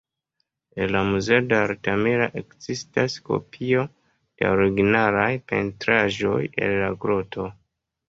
En la muzeo de Altamira ekzistas kopio de la originalaj pentraĵoj el la groto.